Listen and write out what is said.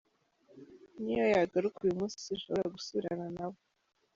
N’iyo yagaruka uyu munsi sinshobora gusubirana na we.